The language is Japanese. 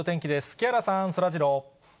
木原さん、そらジロー。